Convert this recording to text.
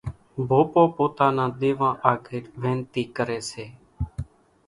ڀوپو پوتا نان ۮيوان آڳر وينتي ڪري سي